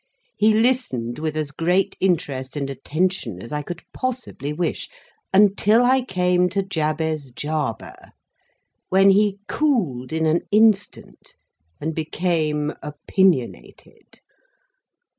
He listened with as great interest and attention as I could possibly wish, until I came to Jabez Jarber, when he cooled in an instant, and became opinionated.